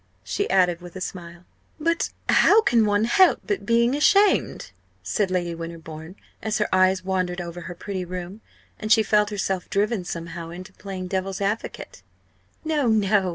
she added with a smile. "But how can one help being ashamed?" said Lady Winterbourne, as her eyes wandered over her pretty room, and she felt herself driven somehow into playing devil's advocate. "No! No!"